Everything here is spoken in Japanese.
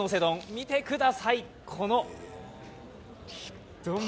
見てください、この丼。